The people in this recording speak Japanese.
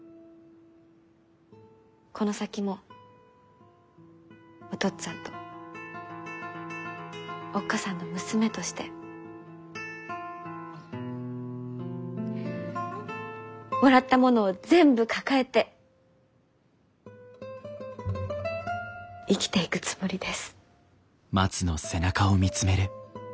この先もお父っつぁんとおっ母さんの娘としてもらったものを全部抱えて生きていくつもりです。